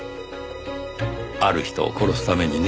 ある人を殺すためにね。